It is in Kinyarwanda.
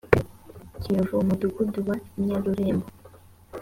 kiyovu umudugudu wa i nyarurembo